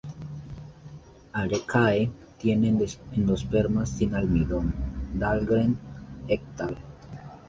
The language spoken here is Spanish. Arecaceae tiene endosperma sin almidón, Dahlgren "et al.